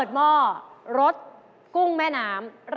อ๋อนี่คือร้านเดียวกันเหรออ๋อนี่คือร้านเดียวกันเหรอ